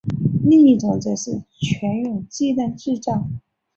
另一种则是全用鸡蛋制造。